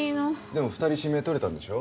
でも２人指名取れたんでしょ？